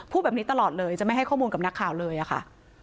พูดแบบนี้ตลอดเลยจะไม่ให้ข้อมูลกับนักข่าวเลยอะค่ะ